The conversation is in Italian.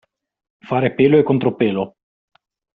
Fare pelo e contropelo.